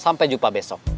sampai jumpa kembali besok